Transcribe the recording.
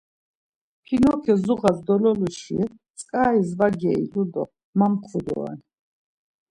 Pinokyo zuğas dololuşi tzǩaris var geilu do mamkvu doren.